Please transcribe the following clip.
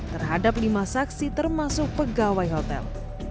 terhadap lima saksi termasuk pegawai hotel